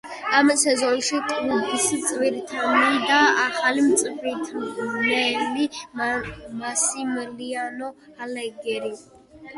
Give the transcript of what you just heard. ამ სეზონში კლუბს წვრთნიდა ახალი მწვრთნელი მასიმილიანო ალეგრი.